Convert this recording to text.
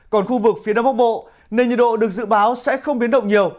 còn khu vực phía đông bắc bộ nền nhiệt độ được dự báo sẽ không biến động nhiều